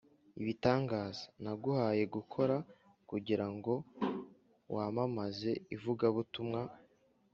ibitangaza naguhaye gukora kugira ngo wamamaze ivugabutumwa